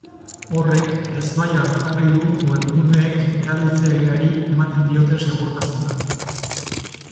Horrek ezbaian jarri du webguneek erabiltzaileari ematen dioten segurtasuna.